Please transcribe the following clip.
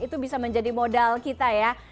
itu bisa menjadi modal kita ya